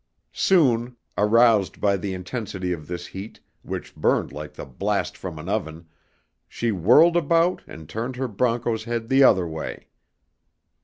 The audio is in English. Soon, aroused by the intensity of this heat, which burned like the blast from an oven, she whirled about and turned her broncho's head the other way.